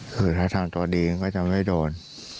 คือถ้าทางตัวดีมันก็จะไม่โดน